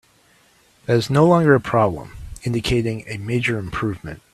That is no longer a problem, indicating a major improvement.